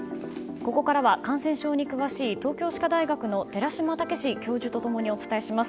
ここからは感染症に詳しい東京歯科大学の寺嶋毅教授と共にお伝えします。